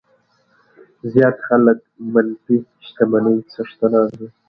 زیات خلک منفي شتمنۍ څښتنان دي.